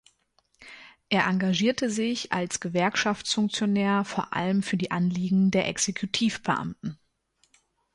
Er engagierte sich als Gewerkschaftsfunktionär vor allem für die Anliegen der Exekutiv-Beamten.